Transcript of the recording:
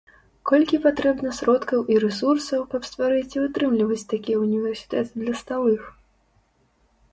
Колькі патрэбна сродкаў і рэсурсаў, каб стварыць і ўтрымліваць такія ўніверсітэты для сталых?